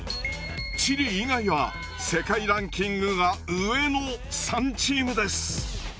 チリ以外は世界ランキングが上の３チームです。